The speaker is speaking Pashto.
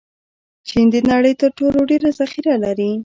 چین د نړۍ تر ټولو ډېر ذخیره لري.